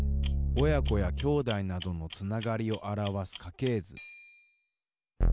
親子やきょうだいなどのつながりをあらわすかけい図。